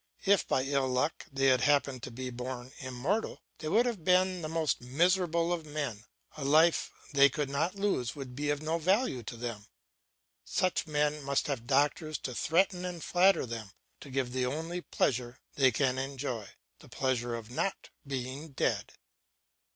If by ill luck they had happened to be born immortal, they would have been the most miserable of men; a life they could not lose would be of no value to them. Such men must have doctors to threaten and flatter them, to give them the only pleasure they can enjoy, the pleasure of not being dead.